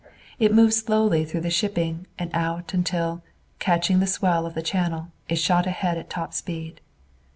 It moved slowly through the shipping and out until, catching the swell of the channel, it shot ahead at top speed.